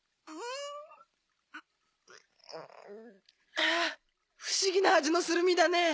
あ不思議な味のする実だね。